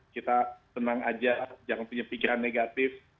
kita tenang aja jangan punya pikiran negatif